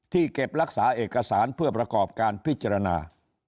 เก็บรักษาเอกสารเพื่อประกอบการพิจารณา